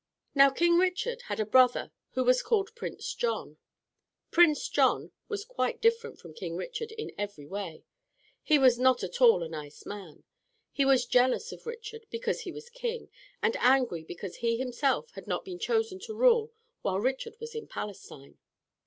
Now King Richard had a brother who was called Prince John. Prince John was quite different from King Richard in every way. He was not at all a nice man. He was jealous of Richard because he was king, and angry because he himself had not been chosen to rule while Richard was in Palestine.